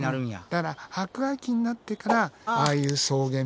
だから白亜紀になってからああいう草原みたいなね